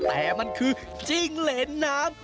แต่มันคือจิ้งเลนนาม